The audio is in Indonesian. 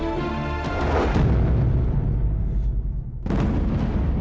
gue kesuk banget